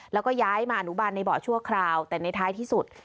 แล้วก็ย้ายมาอนุบาลในเบาะชั่วคราวแต่ในท้ายที่สุด